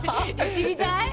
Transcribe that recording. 知りたい？